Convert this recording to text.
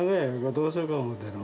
どうしようかと思てな。